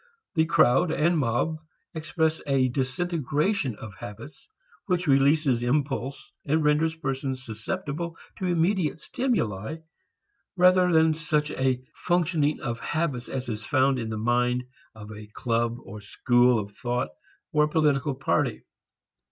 The crowd and mob express a disintegration of habits which releases impulse and renders persons susceptible to immediate stimuli, rather than such a functioning of habits as is found in the mind of a club or school of thought or a political party.